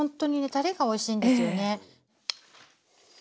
たれがおいしいんですよね。